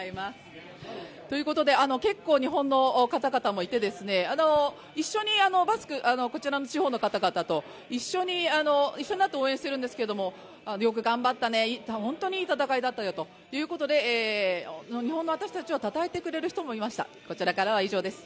結構、日本の方々もいて、一緒にこちらの地方の方々と一緒になって応援してるんですけどよく頑張ったね、本当にいい戦いだったよということで日本の私たちを称えてくれる人もいました。